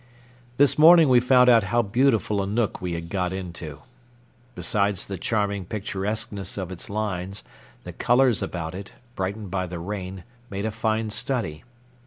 This morning we found out how beautiful a nook we had got into. Besides the charming picturesqueness of its lines, the colors about it, brightened by the rain, made a fine study.